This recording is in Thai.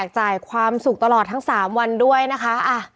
จ่ายความสุขตลอดทั้ง๓วันด้วยนะคะ